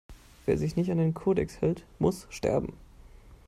Wer sich nicht an den Kodex hält, muss sterben!